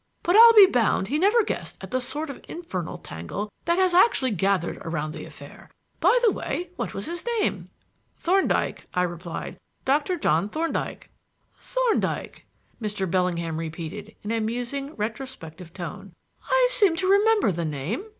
But I'll be bound he never guessed at the sort of infernal tangle that has actually gathered round the affair. By the way, what was his name?" "Thorndyke," I replied. "Doctor John Thorndyke." "Thorndyke," Mr. Bellingham repeated in a musing, retrospective tone. "I seem to remember the name.